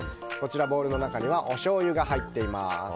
ボウルの中にはおしょうゆが入っています。